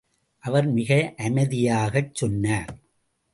அவர் மிக அமைதியாகச் சொன்னார்.